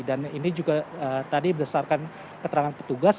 ini juga tadi berdasarkan keterangan petugas